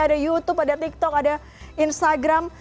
ada youtube ada tiktok ada instagram